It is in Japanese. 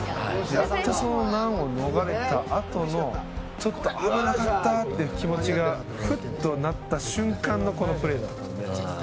やっと、その難を逃れたあとの危なかった！って気持ちがフッとなった瞬間のこのプレーだったんで。